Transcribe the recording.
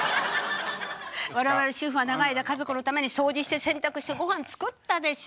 我々主婦は長い間家族のために掃除して洗濯してごはん作ったでしょう。